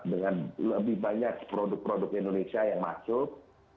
dengan lebih banyak produk produk indonesia yang masuk